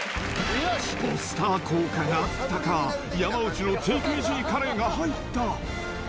ポスター効果があったか、山内のＴＫＧカレーが入った。